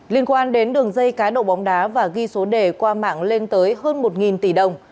liên quan đến đường dây cá độ bóng đá và ghi số đề qua mạng lên tới hơn một tỷ đồng